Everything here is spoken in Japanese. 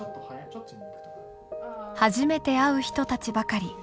初めて会う人たちばかり。